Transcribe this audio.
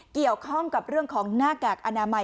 เกี่ยวข้องกับเรื่องของหน้ากากอนามัย